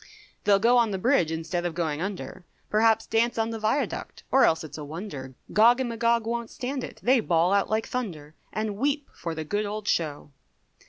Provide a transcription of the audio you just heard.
They go on the bridge instead of going under, Perhaps dance on the viaduct, or else it's a wonder, Gog and Magog won't stand it, they bawl out like thunder, And weep for the good old show.